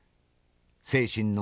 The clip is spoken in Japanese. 精神の国